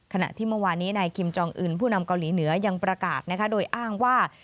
ขณะที่เมื่อวานนี้นายคิมจองอื่นผู้นำเกาหลีเหนือยังประกาศโดยอ้างว่า